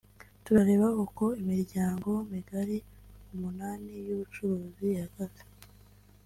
turareba uko imiryango migari umunani y’ubucuruzi ihagaze